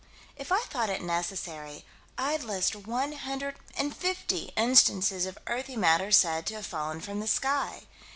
If I thought it necessary, I'd list one hundred and fifty instances of earthy matter said to have fallen from the sky.